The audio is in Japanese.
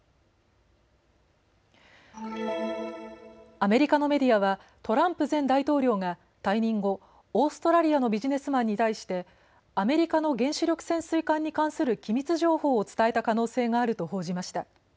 アメリカのメディアはトランプ前大統領が退任後、オーストラリアのビジネスマンに対してアメリカの原子力潜水艦に関する機密情報を伝えた可能性があると報じました。